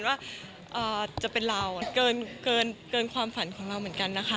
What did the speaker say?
ว่าจะเป็นเราเกินความฝันของเราเหมือนกันนะคะ